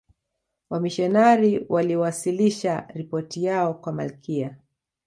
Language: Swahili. wamishionari waliwasilisha ripoti yao kwa malkia